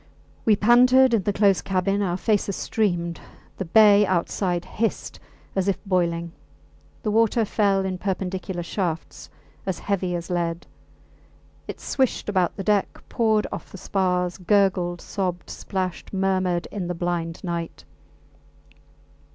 We panted in the close cabin; our faces streamed; the bay outside hissed as if boiling; the water fell in perpendicular shafts as heavy as lead; it swished about the deck, poured off the spars, gurgled, sobbed, splashed, murmured in the blind night.